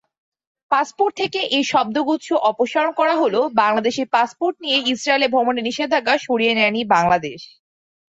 Passport থেকে এই শব্দগুচ্ছ অপসারণ করা হলেও বাংলাদেশি পাসপোর্ট নিয়ে ইসরায়েলে ভ্রমণের নিষেধাজ্ঞা সরিয়ে নেয়নি বাংলাদেশ।